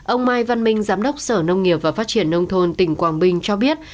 ông mai văn minh giám đốc sở nông nghiệp và phát triển nông thôn tỉnh quảng bình cho biết